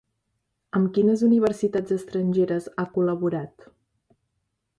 Amb quines universitats estrangeres ha col·laborat?